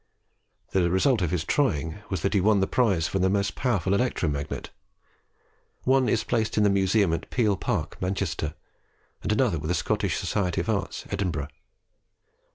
The result of his trying was that he won the prize for the most powerful electro magnet: one is placed in the museum at Peel Park, Manchester, and another with the Scottish Society of Arts, Edinburgh.